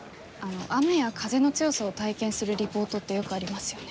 雨や風の強さを体験するリポートってよくありますよね。